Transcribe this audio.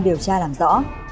điều tra làm rõ